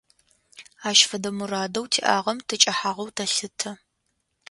Ащ фэдэ мурадэу тиӏагъэм тыкӏэхьагъэу тэлъытэ.